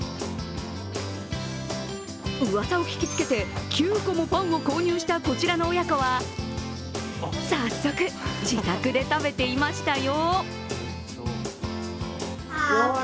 うわさを聞きつけて９個もパンを購入したこちらの親子は、早速、自宅で食べていましたよ。